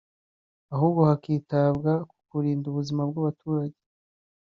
ahubwo hakitabwa ku kurinda ubuzima bw’abaturage